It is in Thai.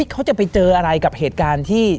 เขาจะไปเจออะไรกับเหตุการณ์ที่